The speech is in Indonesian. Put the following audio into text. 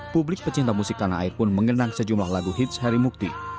publik pecinta musik tanah air pun mengenang sejumlah lagu hits harimukti